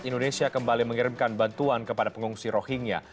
indonesia kembali mengirimkan bantuan kepada pengungsi rohingya